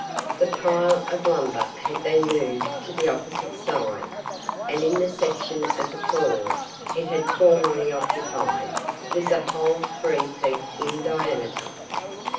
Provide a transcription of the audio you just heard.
The pile of lumber had been moved to the opposite side and in the section of the floor it had formerly occupied was a hole three feet in diameter.